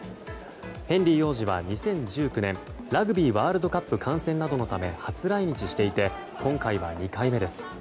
ヘンリー王子は２０１９年ラグビーワールドカップ観戦などのため初来日していて今回は２回目です。